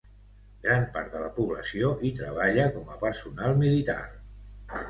Gran part de la població hi treballa com a personal militar.